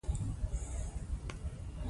افغانستان کې د ښتې په اړه زده کړه کېږي.